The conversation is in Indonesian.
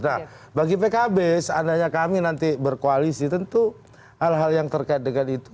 nah bagi pkb seandainya kami nanti berkoalisi tentu hal hal yang terkait dengan itu